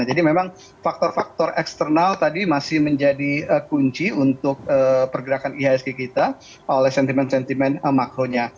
memang faktor faktor eksternal tadi masih menjadi kunci untuk pergerakan ihsg kita oleh sentimen sentimen makronya